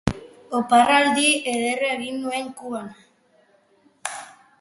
Oporraldi ederra egin nuen Kuban